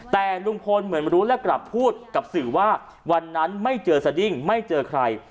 แต่ลุงพลเหมือนรู้และกลับพูดกับสื่อว่าวันนั้นไม่เจอสดิ้งไม่เจอใคร